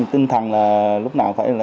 tinh thần là lúc nào phải